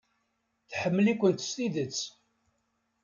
Tḥemmel-ikent s tidet.